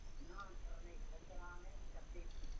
Snaží se jej proto najít.